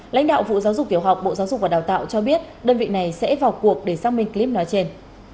lãnh đạo vụ giáo dục tiểu học bộ giáo dục và đào tạo cho biết đơn vị này sẽ vào cuộc để xác minh clip nói trên